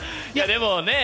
でもねえ。